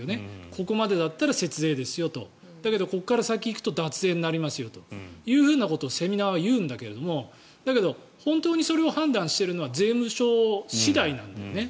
ここまでだったら節税ですよとだけど、ここから先に行くと脱税になりますよということをセミナーは言うんだけどだけど、本当にそれを判断しているのは税務署次第なんだよね。